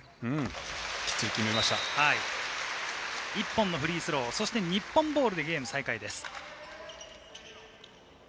１本のフリースロー、そして日本ボールでゲーム再開です。